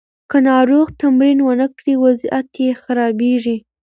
که ناروغ تمرین ونه کړي، وضعیت یې خرابیږي.